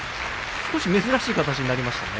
少し珍しい形になりましたね。